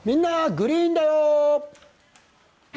グリーンだよ」。